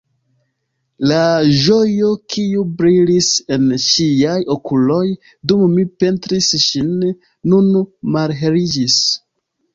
La ĝojo, kiu brilis en ŝiaj okuloj, dum mi pentris ŝin, nun malheliĝis.